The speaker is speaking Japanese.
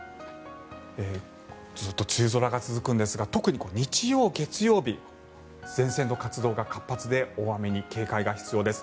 ずっと梅雨空が続くんですが特に日曜日、月曜日前線の活動が活発で大雨に警戒が必要です。